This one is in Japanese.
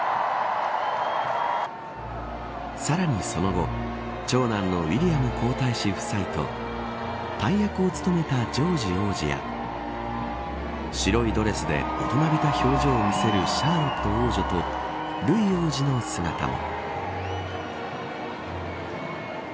さらにその後長男のウィリアム皇太子夫妻と大役を務めたジョージ王子や白いドレスで大人びた表情を見せるシャーロット王女とルイ王子の姿も。